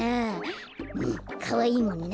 うんかわいいもんな。